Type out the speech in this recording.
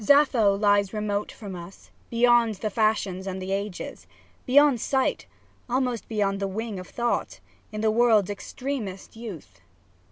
niij 14 1953 SAPPHO I Sappho lies remote from us, beyond the fashions and the ages, beyond sight, almost beyond the wing of Thought, in the world's extremest youth.